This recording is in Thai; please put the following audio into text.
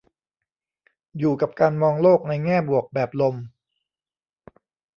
อยู่กับการมองโลกในแง่บวกแบบลม